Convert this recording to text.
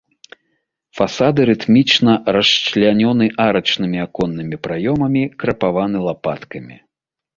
Фасады рытмічна расчлянёны арачнымі аконнымі праёмамі, крапаваны лапаткамі.